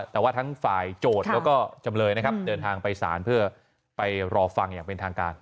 แต่ว่าทั้งฝ่ายโจทย์แล้วก็จำเลยนะครับเดินทางไปสารเพื่อไปรอฟังอย่างเป็นทางการ